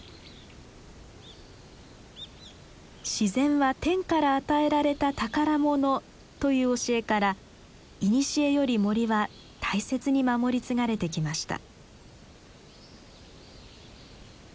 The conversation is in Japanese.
「自然は天から与えられた宝物」という教えからいにしえより森は大切に守り継がれてきました。